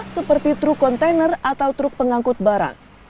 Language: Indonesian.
seperti truk kontainer atau truk pengangkut barang